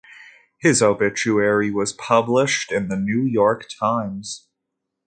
His obituary was published in the New York Times.